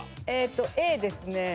えっとＡですね。